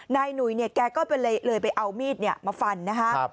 หนุ่ยเนี่ยแกก็เลยไปเอามีดมาฟันนะฮะ